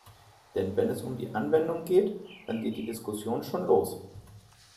Denn wenn es um die Anwendung geht, dann geht die Diskussion schon los.